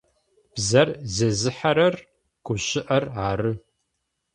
Бзэр зезыхьэрэр гущыӏэр ары.